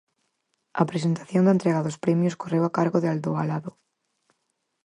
A presentación da entrega dos premios correu a cargo de Aldaolado.